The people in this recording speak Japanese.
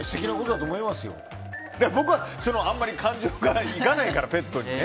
だけど、僕はあんまり感情がいかないから、ペットにね。